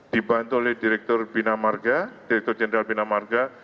dibantu oleh direktur bina marga direktur jenderal bina marga